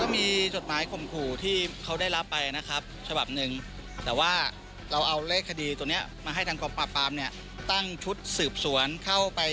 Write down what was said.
มีจดหมายข่มขู่ที่เขาได้รับไปนะครับฉบับหนึ่งแต่ว่าเราเอาเลขคดีตัวเนี้ยมาให้ทางกองปราบปรามเนี่ยตั้งชุดสืบสวนเข้าไป